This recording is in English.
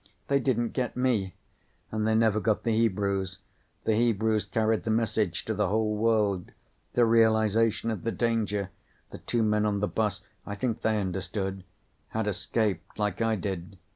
They didn't get me. And they never got the Hebrews. The Hebrews carried the message to the whole world. The realization of the danger. The two men on the bus. I think they understood. Had escaped, like I did."